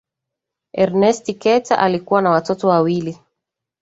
ernest carter alikuwa na watoto wawili